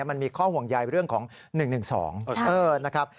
มันมีข้อห่วงใยเรื่องของ๑๑๒นะครับ